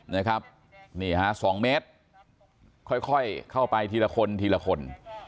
นี่ฮะ๒เมตรค่อยเข้าไปทีละคนทีละคน